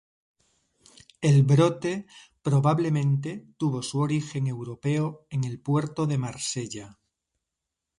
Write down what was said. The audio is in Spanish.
El brote probablemente tuvo su origen europeo en el puerto de Marsella.